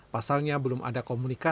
pasalnya belum ada komunikasi